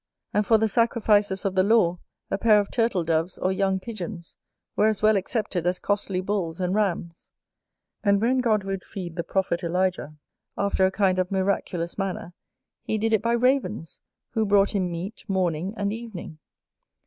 And for the sacrifices of the law, a pair of Turtle doves, or young Pigeons, were as well accepted as costly Bulls and Rams; and when God would feed the Prophet Elijah, after a kind of miraculous manner, he did it by Ravens, who brought him meat morning and evening.